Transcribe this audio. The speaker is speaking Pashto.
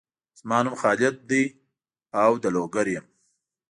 زما نوم خالد دهاو د لوګر یم